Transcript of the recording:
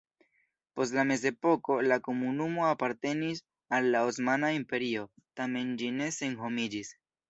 Post la mezepoko la komunumo apartenis al la Osmana Imperio, tamen ĝi ne senhomiĝis.